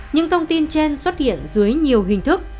những thông tin trên xuất hiện dưới nhiều hình thức